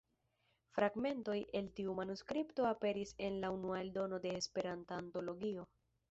Fragmentoj el tiu manuskripto aperis en la unua eldono de "Esperanta Antologio".